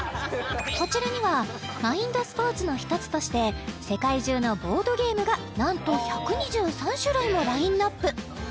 こちらにはマインドスポーツの１つとして世界中のボードゲームがなんと１２３種類もラインナップ